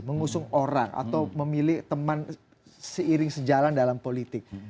mengusung orang atau memilih teman seiring sejalan dalam politik